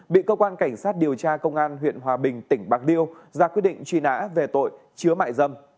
bị cơ quan cảnh sát điều tra công an huyện hòa bình tỉnh bạc liêu ra quyết định truy nã về tội chứa mại dâm